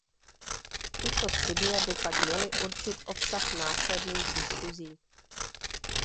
Tyto studie by pak měly určit obsah následných diskusí.